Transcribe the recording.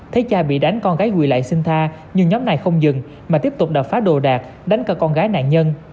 thấy cha bị đánh con gái quỳ lại sinh tha nhưng nhóm này không dừng mà tiếp tục đập phá đồ đạc đánh cơ con gái nạn nhân